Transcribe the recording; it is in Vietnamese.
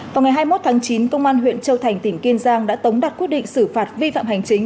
vào ngày hai mươi một tháng chín công an huyện châu thành tỉnh kiên giang đã tống đặt quyết định xử phạt vi phạm hành chính